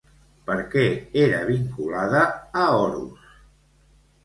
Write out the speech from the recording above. Per què era vinculada a Horus?